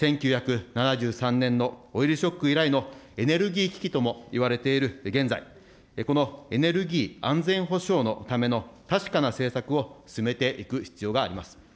１９７３年のオイルショック以来のエネルギー危機ともいわれている現在、このエネルギー安全保障のための確かな政策を進めていく必要があります。